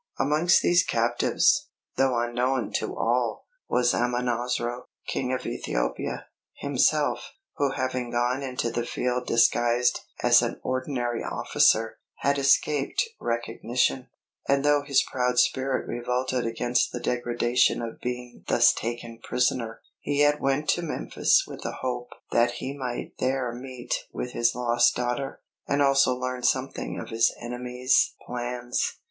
Amongst these captives, though unknown to all, was Amonasro, King of Ethiopia, himself, who having gone into the field disguised as an ordinary officer, had escaped recognition; and though his proud spirit revolted against the degradation of being thus taken prisoner, he yet went to Memphis with the hope that he might there meet with his lost daughter, and also learn something of his enemies' plans.